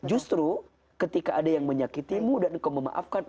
justru ketika ada yang menyakitimu dan engkau memaafkan